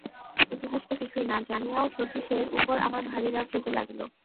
ইতিহাসটা কিছুই না জানিয়াও শচীশের উপর আমার ভারি রাগ হইতে লাগিল।